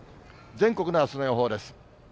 全国のあすの予報です。